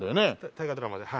大河ドラマではい。